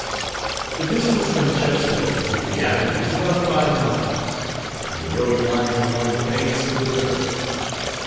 The distance from Chepstow to the Abbey is about five miles, and the road lies along the banks of the river.